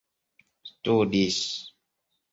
studis